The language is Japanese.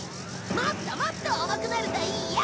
もっともっと重くなるといいよ。